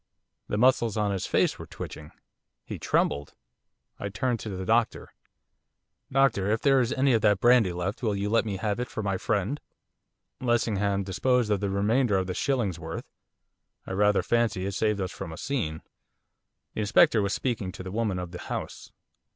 The muscles of his face were twitching. He trembled. I turned to the doctor. 'Doctor, if there is any of that brandy left will you let me have it for my friend?' Lessingham disposed of the remainder of the 'shillings worth.' I rather fancy it saved us from a scene. The Inspector was speaking to the woman of the house.